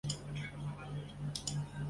教育部及各县市长对此事加以否认。